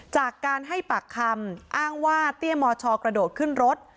จากการให้ปากคำอ้างว่าเตี้ยมชกระโดดขึ้นรถ